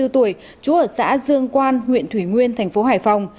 hai mươi bốn tuổi chú ở xã dương quan huyện thủy nguyên tp hải phòng